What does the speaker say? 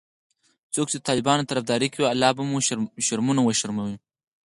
څوک چې د طالبانو طرفدارې کوي الله مو به شرمونو وشرموه😖